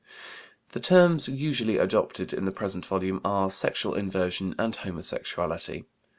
The terms usually adopted in the present volume are "sexual inversion" and "homosexuality."